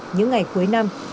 những ngày cuối năm